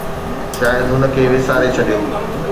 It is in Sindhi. شايد هن کي وساري ڇڏيو